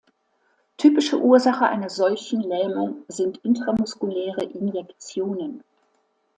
Typische Ursache einer solchen Lähmung sind intramuskuläre Injektionen.